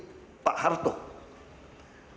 perusahaan putri pak harto ini adalah